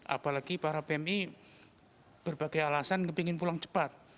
apalagi para pmi berbagai alasan ingin pulang cepat